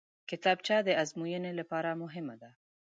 کتابچه د ازموینې لپاره مهمه ده